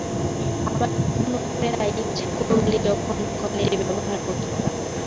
আবার কোনো ক্রেতা ইচ্ছা করলেই যখন-তখন এটি ব্যবহার করতে পারবেন না।